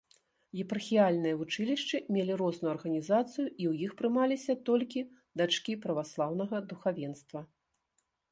Епархіяльныя вучылішчы мелі розную арганізацыю і ў іх прымаліся толькі дачкі праваслаўнага духавенства.